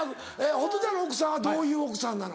ホトちゃんの奥さんはどういう奥さんなの？